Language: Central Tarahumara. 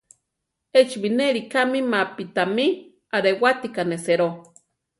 Échi binéli kámi mapi tamí arewátika neséro.